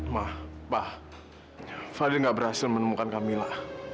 ma pa fadil nggak berhasil menemukan kamila